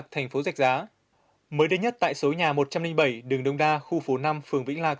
thành phố rạch giá mới đây nhất tại số nhà một trăm linh bảy đường đông đa khu phố năm phường vĩnh lạc